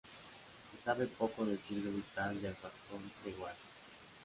Se sabe poco del ciclo vital del rascón de Wallace.